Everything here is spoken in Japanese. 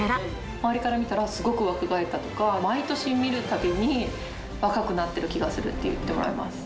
周りから見たら、すごく若返ったとか、毎年見るたびに、若くなってる気がするって言ってもらえます。